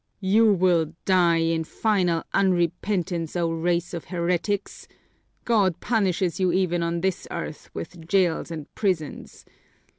"You will die in final unrepentance, O race of heretics! God punishes you even on this earth with jails and prisons!